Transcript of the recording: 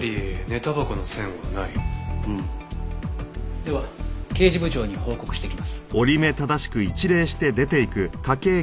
では刑事部長に報告してきます。